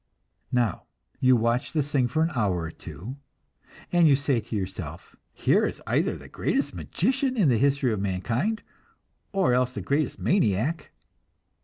Now, you watch this thing for an hour or two, and you say to yourself: "Here is either the greatest magician in the history of mankind, or else the greatest maniac."